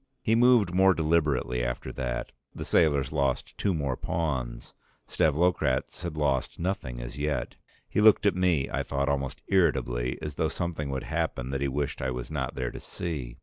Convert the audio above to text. He moved more deliberately after that; the sailors lost two more pawns, Stavlokratz had lost nothing as yet. He looked at me I thought almost irritably, as though something would happen that he wished I was not there to see.